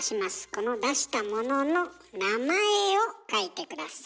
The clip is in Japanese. この出したものの名前を書いて下さい。